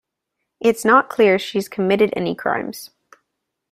It's not clear she's committed any crimes.